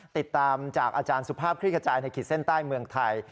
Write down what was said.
ติดตามจากอาจารย์สุภาพคลิกขจายในขีดเส้นใต้เมืองไทย